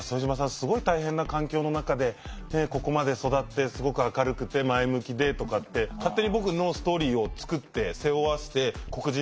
すごい大変な環境の中でここまで育ってすごく明るくて前向きで」とかって勝手に僕のストーリーを作って背負わして黒人代表で。